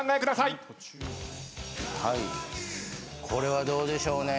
これはどうでしょうね？